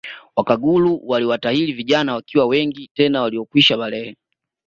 Wakaguru waliwatahiri vijana wakiwa wengi tena waliokwisha balehe